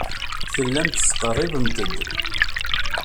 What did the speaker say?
Tellamt tettqerribemt-d.